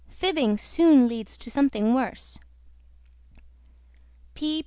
FIBBING SOON LEADS TO SOMETHING WORSE.